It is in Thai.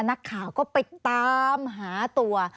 นักข่าวก็ไปตามหาตัว